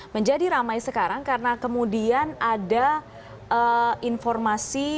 menjadi ramai sekarang karena kemudian ada informasi